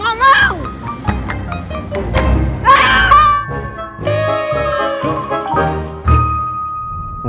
acil jangan kemana mana